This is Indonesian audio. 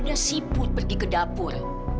ada siput pergi ke dapur